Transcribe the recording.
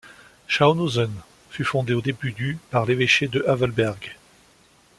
Schönhausen fut fondée au début du par l'évêché de Havelberg.